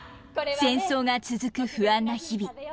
戦争が続く不安な日々。